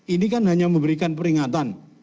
ini kan hanya memberikan peringatan